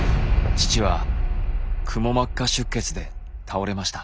父はくも膜下出血で倒れました。